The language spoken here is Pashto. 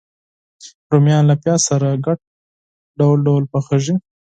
رومیان له پیاز سره ګډ ډول ډول پخېږي